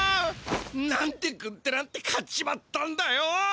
なんでぐんてなんて買っちまったんだよ！